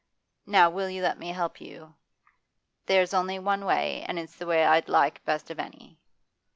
Now will you let me help you? There's only one way, and it's the way I'd like best of any.